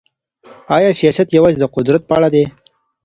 آیا سیاست یوازې د قدرت په اړه دی؟